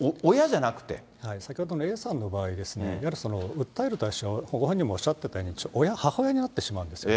先ほどのＡさんの場合ですね、やはり訴える対象が、ご本人もおっしゃっていたように、親、母親になってしまうんですよね。